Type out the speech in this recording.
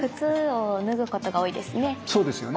そうですよね。